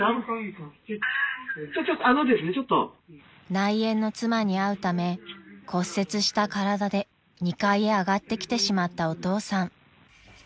［内縁の妻に会うため骨折した体で２階へ上がってきてしまったお父さん］